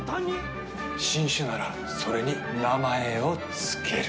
新種ならそれに名前を付ける。